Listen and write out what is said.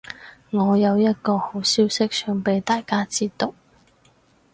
我有一個好消息想畀大家知道